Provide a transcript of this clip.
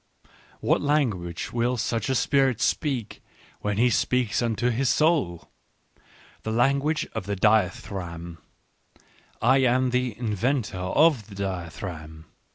What language will such a spirit speak, when he speaks unto his soul ? The language of the dithy ramb. I am the inventor of the dithyramb.